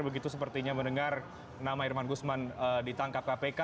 begitu sepertinya mendengar nama irman gusman ditangkap kpk